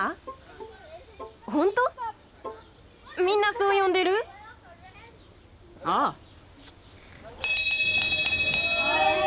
みんなそう呼んでる？ああ。